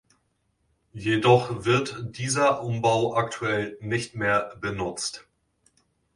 Jedoch wird dieser Umbau aktuell nicht mehr benutzt.